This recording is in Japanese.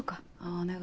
お願い。